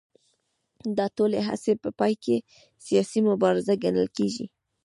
دا ټولې هڅې په پای کې سیاسي مبارزه ګڼل کېږي